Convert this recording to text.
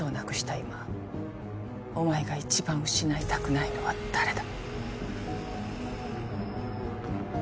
今お前が一番失いたくないのは誰だ？